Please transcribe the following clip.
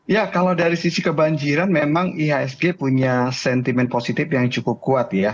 ya kalau dari sisi kebanjiran memang ihsg punya sentimen positif yang cukup kuat ya